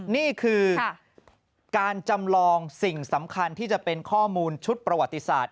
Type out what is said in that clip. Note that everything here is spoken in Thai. นี่คือการจำลองสิ่งสำคัญที่จะเป็นข้อมูลชุดประวัติศาสตร์